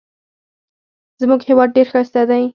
زموږ هیواد ډېر ښایسته دی.